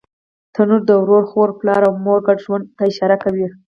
تنور د ورور، خور، پلار او مور ګډ ژوند ته اشاره کوي